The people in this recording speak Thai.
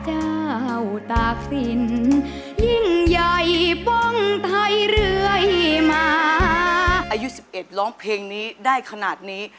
อายุ๑๑ร้องเพลงนี้ได้ขนาดนี้